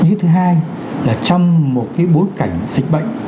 ý thứ hai là trong một cái bối cảnh dịch bệnh